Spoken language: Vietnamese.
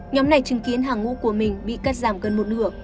nhóm này chứng kiến hàng ngũ của mình bị cắt giảm gần một nửa